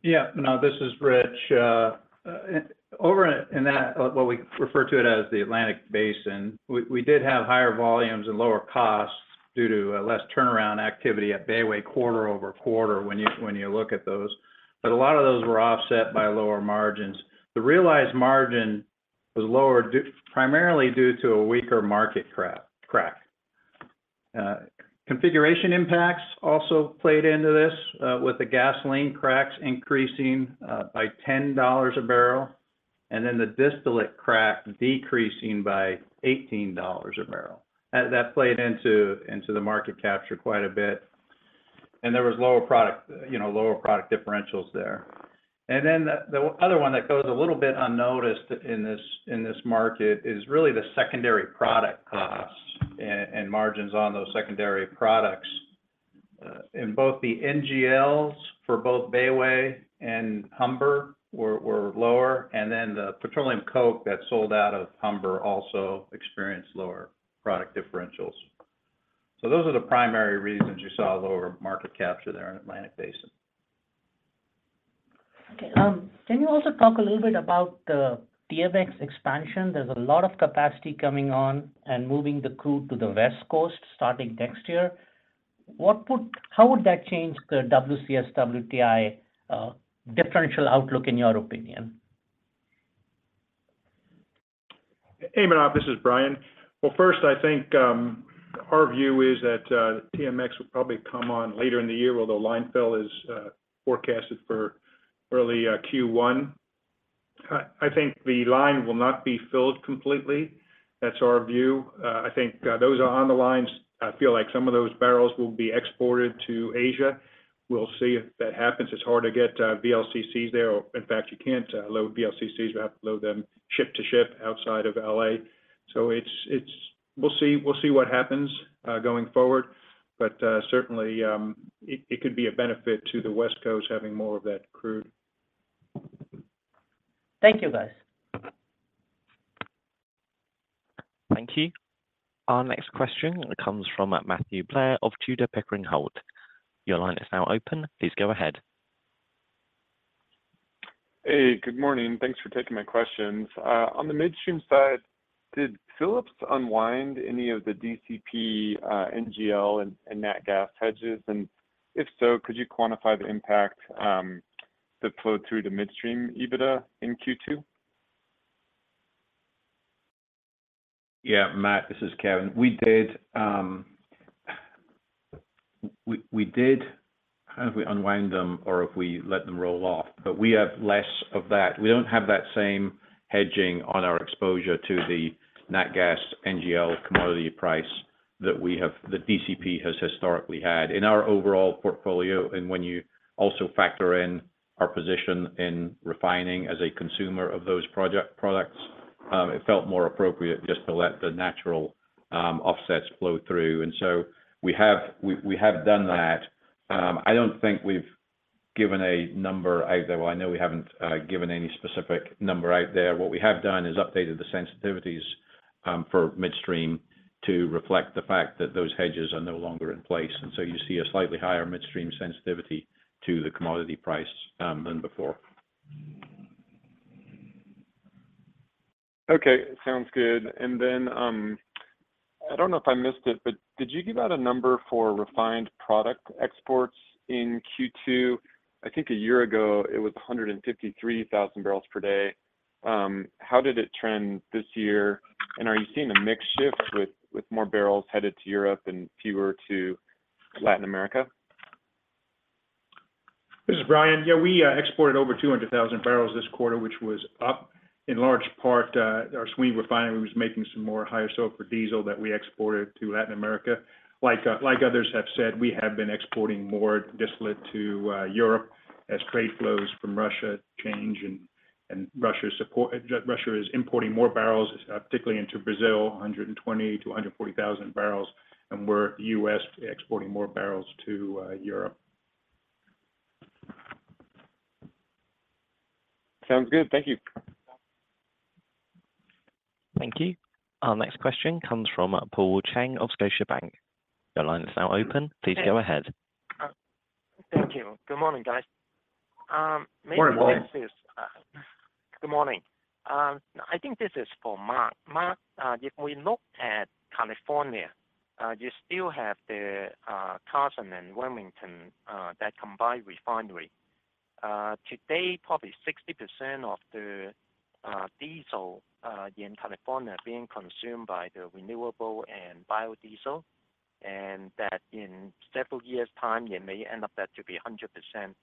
S7: Yeah. No, this is Rich. Over in that, what we refer to it as the Atlantic Basin, we, we did have higher volumes and lower costs due to less turnaround activity at Bayway quarter-over-quarter when you, when you look at those. A lot of those were offset by lower margins. The realized margin was lower primarily due to a weaker market crack. Configuration impacts also played into this, with the gasoline cracks increasing by $10 a barrel, and then the distillate crack decreasing by $18 a barrel. That played into, into the market capture quite a bit, and there was lower product, you know, lower product differentials there. Then the, the other one that goes a little bit unnoticed in this, in this market is really the secondary product costs, and margins on those secondary products. In both the NGLs for both Bayway and Humber were, were lower, and then the petroleum coke that sold out of Humber also experienced lower product differentials. Those are the primary reasons you saw lower market capture there in Atlantic Basin.
S14: Okay. Can you also talk a little bit about the TMX expansion? There's a lot of capacity coming on and moving the crude to the West Coast starting next year. How would that change the WCS-WTI differential outlook, in your opinion?
S10: Hey, Manav, this is Brian. Well, first, I think, our view is that TMX will probably come on later in the year, although line fill is forecasted for early Q1. I, I think the line will not be filled completely. That's our view. I think, those are on the lines. I feel like some of those barrels will be exported to Asia. We'll see if that happens. It's hard to get VLCCs there. In fact, you can't load VLCCs. You have to load them ship to ship outside of L.A. It's, it's, we'll see, we'll see what happens going forward, but certainly, it, it could be a benefit to the West Coast, having more of that crude.
S14: Thank you, guys.
S1: Thank you. Our next question comes from Matthew Blair of Tudor, Pickering Holt. Your line is now open. Please go ahead.
S15: Hey, good morning. Thanks for taking my questions. On the midstream side, did Phillips unwind any of the DCP, NGL and natural gas hedges? If so, could you quantify the impact, the flow through the midstream EBITDA in Q2?...
S4: Yeah, Matt, this is Kevin. We did, kind of, we unwind them or if we let them roll off, but we have less of that. We don't have that same hedging on our exposure to the natural gas, NGL commodity price that DCP has historically had. In our overall portfolio, when you also factor in our position in refining as a consumer of those products, it felt more appropriate just to let the natural offsets flow through, so we have, we have done that. I don't think we've given a number either. Well, I know we haven't given any specific number out there. What we have done is updated the sensitivities for midstream to reflect the fact that those hedges are no longer in place. You see a slightly higher midstream sensitivity to the commodity price than before.
S15: Okay, sounds good. I don't know if I missed it, but did you give out a number for refined product exports in Q2? I think a year ago, it was 153,000 barrels per day. How did it trend this year? Are you seeing a mix shift with, with more barrels headed to Europe and fewer to Latin America?
S10: This is Brian. Yeah, we exported over 200,000 barrels this quarter, which was up in large part, our Sweeny Refinery was making some more higher sulfur diesel that we exported to Latin America. Like, like others have said, we have been exporting more distillate to Europe as trade flows from Russia change, and Russia is importing more barrels particularly into Brazil, 120,000-140,000 barrels, and we're, U.S., exporting more barrels to Europe.
S15: Sounds good. Thank you.
S1: Thank you. Our next question comes from Paul Cheng of Scotiabank. Your line is now open. Please go ahead.
S16: Thank you. Good morning, guys. maybe this is-
S3: Good morning.
S16: Good morning. I think this is for Mark. Mark, if we look at California, you still have the Carson and Wilmington, that combined refinery. Today, probably 60% of the diesel in California are being consumed by the renewable and biodiesel, and that in several years' time, you may end up that to be 100%.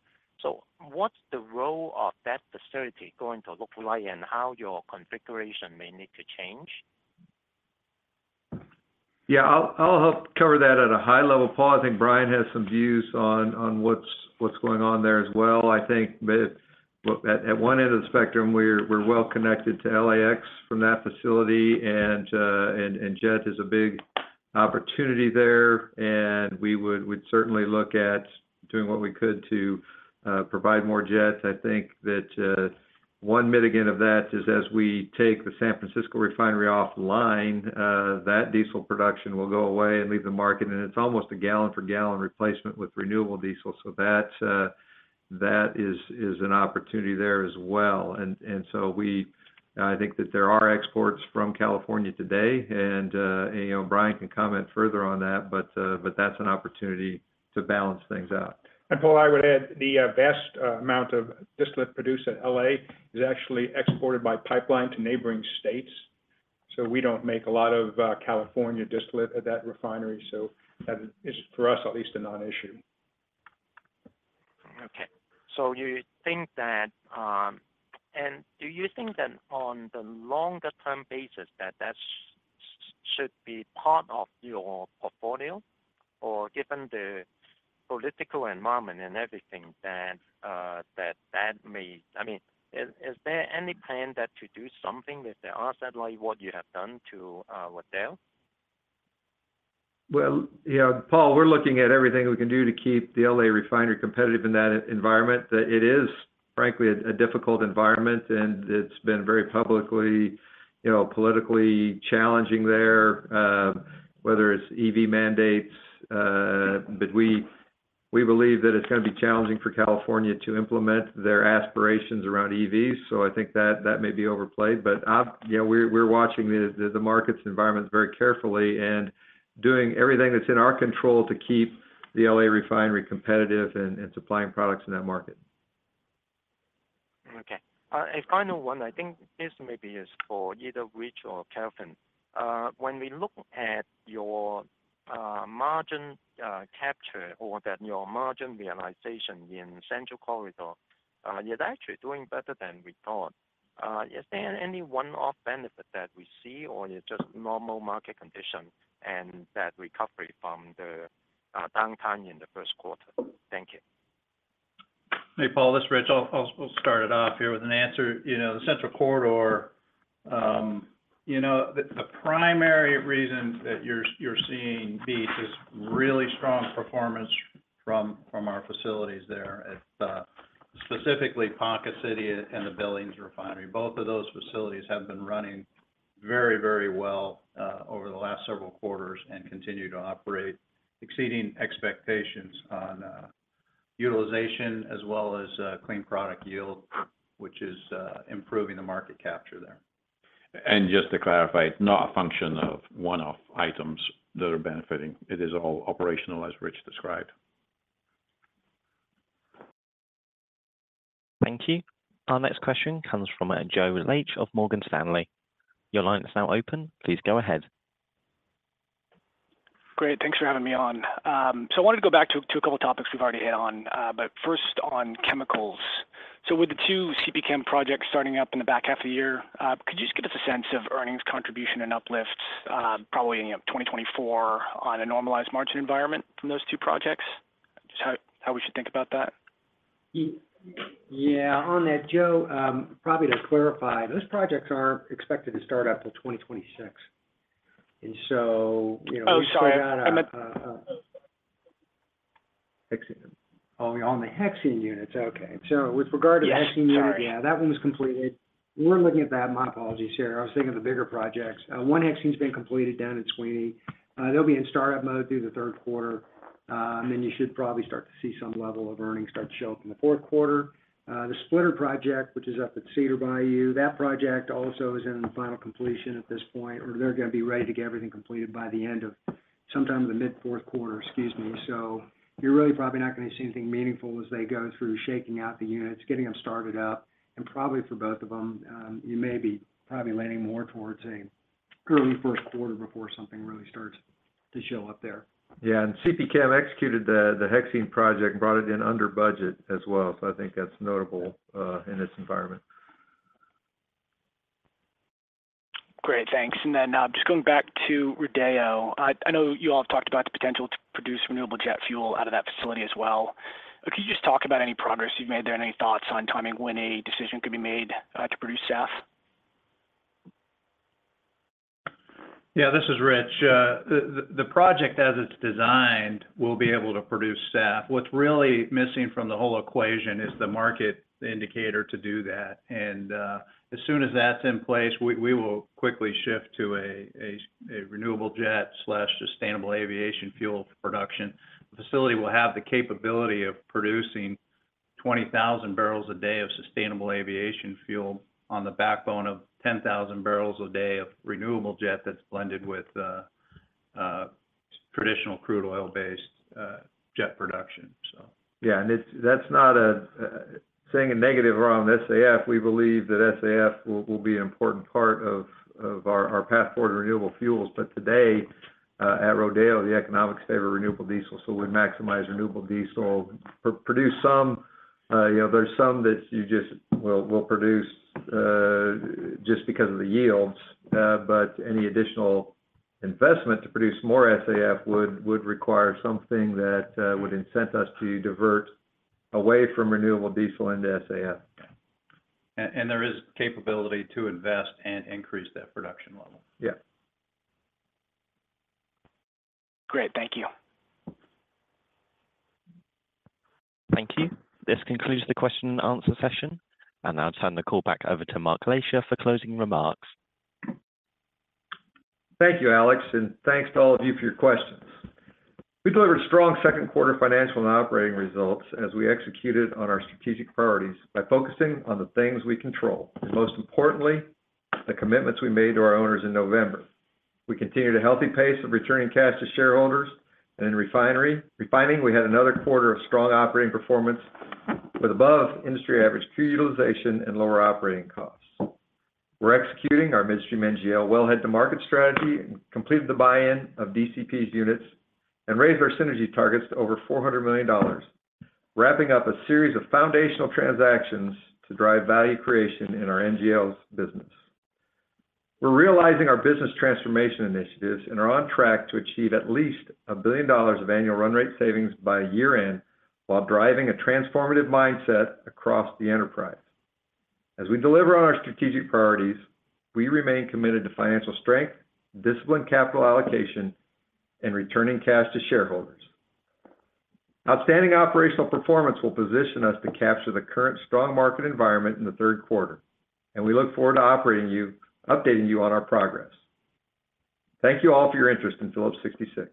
S16: What's the role of that facility going to look like and how your configuration may need to change?
S3: Yeah, I'll, I'll help cover that at a high level, Paul. I think Brian has some views on, on what's, what's going on there as well. I think that at, at one end of the spectrum, we're, we're well connected to LAX from that facility and, and, and jet is a big opportunity there, and we'd certainly look at doing what we could to provide more jets. I think that, one mitigant of that is as we take the San Francisco refinery off line, that diesel production will go away and leave the market, and it's almost a gallon-for-gallon replacement with renewable diesel. That, that is, is an opportunity there as well. I think that there are exports from California today, and, you know, Brian can comment further on that, but, but that's an opportunity to balance things out.
S10: Paul, I would add, the vast amount of distillate produced at L.A. is actually exported by pipeline to neighboring states. We don't make a lot of California distillate at that refinery. That is, for us, at least, a non-issue.
S16: Okay. You think that. Do you think that on the longer-term basis, that should be part of your portfolio? Given the political environment and everything, I mean, is there any plan that to do something, if there are sadly, what you have done to Waddell?
S3: Well, yeah, Paul, we're looking at everything we can do to keep the LA refinery competitive in that environment. That it is, frankly, a difficult environment, and it's been very publicly, you know, politically challenging there, whether it's EV mandates, but we, we believe that it's gonna be challenging for California to implement their aspirations around EVs. I think that, that may be overplayed. Yeah, we're, we're watching the, the markets and environments very carefully and doing everything that's in our control to keep the LA refinery competitive and, and supplying products in that market.
S16: Okay. A final one, I think this maybe is for either Rich or Kevin. When we look at your margin capture or that your margin realization in Central Corridor, you're actually doing better than we thought. Is there any one-off benefit that we see, or it's just normal market conditions and that recovery from the downtime in the Q1? Thank you.
S7: Hey, Paul, this is Rich. I'll, I'll start it off here with an answer. You know, the Central Corridor, you know, the, the primary reason that you're, you're seeing this is really strong performance from, from our facilities there at, specifically Ponca City and the Billings Refinery. Both of those facilities have been running very, very well, over the last several quarters and continue to operate, exceeding expectations on, utilization as well as, clean product yield, which is, improving the market capture there.
S3: Just to clarify, it's not a function of one-off items that are benefiting. It is all operational, as Rich described....
S1: Thank you. Our next question comes from Joe Laetsch of Morgan Stanley. Your line is now open. Please go ahead.
S17: Great, thanks for having me on. I wanted to go back to, to a couple topics we've already hit on, but first on chemicals. With the 2 CPChem projects starting up in the back half of the year, could you just give us a sense of earnings, contribution, and uplifts, probably, you know, 2024 on a normalized margin environment from those 2 projects? Just how, how we should think about that.
S9: Yeah, on that, Joe, probably to clarify, those projects aren't expected to start up till 2026. So, you know-
S17: Oh, sorry. I meant.
S9: hexene. Oh, on the hexene units, okay. with regard to the hexene unit-
S17: Yes, sorry.
S9: Yeah, that one was completed. We're looking at that. My apologies here. I was thinking of the bigger projects. 1-hexene's been completed down in Sweeny. They'll be in startup mode through the Q3, and then you should probably start to see some level of earnings start to show up in the Q4. The splitter project, which is up at Cedar Bayou, that project also is in the final completion at this point, or they're gonna be ready to get everything completed by the end of sometime in the mid Q4. Excuse me. You're really probably not gonna see anything meaningful as they go through shaking out the units, getting them started up, and probably for both of them, you may be probably landing more towards a early Q1 before something really starts to show up there.
S3: Yeah, CPChem executed the hexene project and brought it in under budget as well, so I think that's notable in this environment.
S17: Great, thanks. Then, just going back to Rodeo. I, I know you all have talked about the potential to produce renewable jet fuel out of that facility as well. Could you just talk about any progress you've made there, any thoughts on timing when a decision could be made to produce SAF?
S7: Yeah, this is Rich. The project as it's designed, will be able to produce SAF. What's really missing from the whole equation is the market indicator to do that, and as soon as that's in place, we will quickly shift to a renewable jet/sustainable aviation fuel production. The facility will have the capability of producing 20,000 barrels a day of sustainable aviation fuel on the backbone of 10,000 barrels a day of renewable jet that's blended with traditional crude oil-based jet production, so.
S3: Yeah, that's not a saying a negative around SAF. We believe that SAF will, will be an important part of, of our, our path forward in renewable fuels. Today, at Rodeo, the economics favor renewable diesel, so we maximize renewable diesel. Produce some, you know, there's some that you just will, will produce just because of the yields. Any additional investment to produce more SAF would, would require something that would incent us to divert away from renewable diesel into SAF.
S7: There is capability to invest and increase that production level.
S3: Yeah.
S17: Great. Thank you.
S1: Thank you. This concludes the Q&A session. I'll now turn the call back over to Mark Lashier for closing remarks.
S3: Thank you, Alex. Thanks to all of you for your questions. We delivered strong Q2 financial and operating results as we executed on our strategic priorities by focusing on the things we control, and most importantly, the commitments we made to our owners in November. We continued a healthy pace of returning cash to shareholders. In refining, we had another quarter of strong operating performance with above industry average crew utilization and lower operating costs. We're executing our midstream NGL well head to market strategy, completed the buy-in of DCP's units, and raised our synergy targets to over $400 million, wrapping up a series of foundational transactions to drive value creation in our NGLs business. We're realizing our business transformation initiatives and are on track to achieve at least $1 billion of annual run rate savings by year-end, while driving a transformative mindset across the enterprise. As we deliver on our strategic priorities, we remain committed to financial strength, disciplined capital allocation, and returning cash to shareholders. Outstanding operational performance will position us to capture the current strong market environment in the Q3, and we look forward to updating you on our progress. Thank you all for your interest in Phillips 66.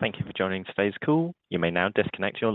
S1: Thank you for joining today's call. You may now disconnect your line.